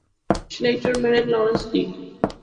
She later married Lawrence Liu.